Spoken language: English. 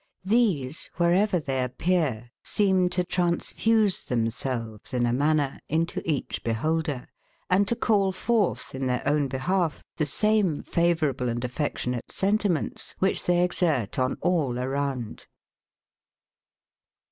These wherever they appear seem to transfuse themselves, in a manner, into each beholder, and to call forth, in their own behalf, the same favourable and affectionate sentiments, which they exert on all around.